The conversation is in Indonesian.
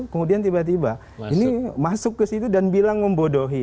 kemudian tiba tiba ini masuk ke situ dan bilang membodohi